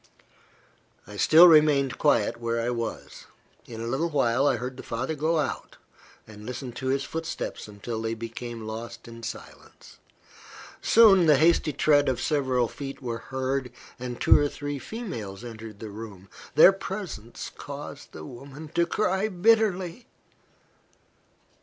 I still remained quiet where I was. In a little while I heard the father go out, and listened to his footsteps until they became lost in silence. Soon the hasty tread of several feet were heard, and two or three females entered the room. Their presence caused the woman to cry bitterly.